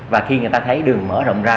và khi người ta thấy đường mở rộng ra